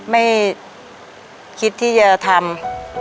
ไม่คิดที่จะทำ